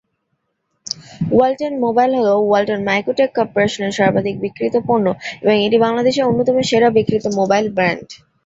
Walton mobile হলো Walton Micro Tech কর্পোরেশনের সর্বাধিক বিক্রিত পণ্য এবং এটি বাংলাদেশের অন্যতম সেরা বিক্রিত মোবাইল ব্র্যান্ড।